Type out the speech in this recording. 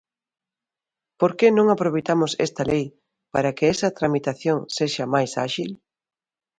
¿Por que non aproveitamos esta lei para que esa tramitación sexa máis áxil?